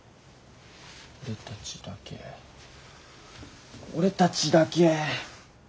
俺たちだけ俺たちだけ。